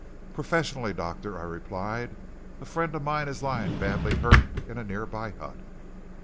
"Professionally, doctor," I replied. "A friend of mine is lying badly hurt in a nearby hut."